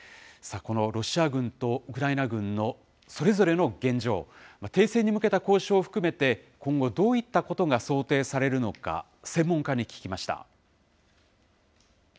このロシア軍とウクライナ軍のそれぞれの現状、停戦に向けた交渉を含めて、今後、どういったことが想定されるのか、専門家に聞きました。